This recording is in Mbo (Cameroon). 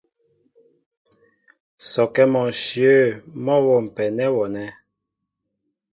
Sɔkɛ́ mɔ ǹshyə̂ mɔ́ a wômpɛ nɛ́ wɔ nɛ̂.